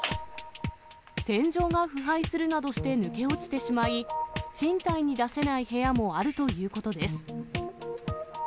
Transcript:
天井が腐敗するなどして抜け落ちてしまい、賃貸に出せない部屋もあるということです。